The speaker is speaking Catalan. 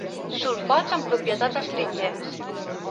Sulfats amb propietats astringents.